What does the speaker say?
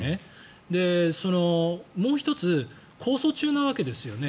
もう１つ控訴中なわけですよね。